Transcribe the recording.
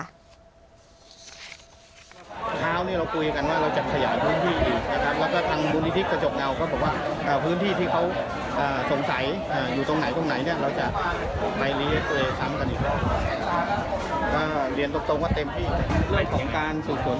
ศำกันอีกแล้วเรียนตรงว่าเต็มที่เรื่องของการสาล